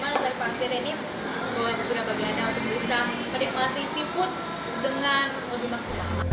bagaimana untuk bisa menikmati seafood dengan maksimal